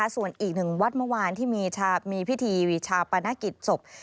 ส่วนอีกหนึ่งวัดเมื่อวานที่มีพิธีวีชาปนกิจศพ